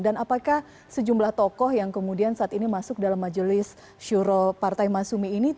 dan apakah sejumlah tokoh yang kemudian saat ini masuk dalam majelis syuroh partai masumi ini